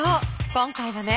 今回はね